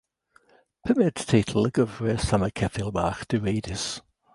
Pumed teitl y gyfres am y ceffyl bach direidus.